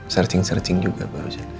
searching searching juga baru saja